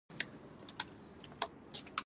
آیا سرحدونه د سوداګرۍ لپاره خلاص نه دي؟